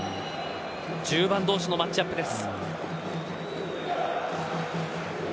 １０番同士のマッチアップです。